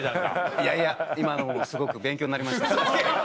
いやいや今のもすごく勉強になりました。